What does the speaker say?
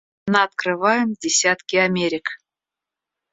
Наоткрываем десятки Америк.